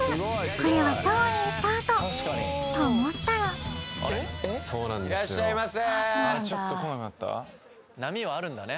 これは超いいスタートと思ったら人がなかなかいらっしゃいませ！